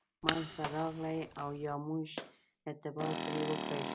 منځته راغلي او یا موږ اعتبار پرې وکړای شو.